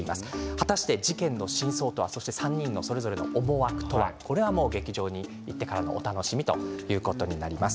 果たして、事件の真相とは３人それぞれの思惑とはこれは劇場に行ってからのお楽しみということになります。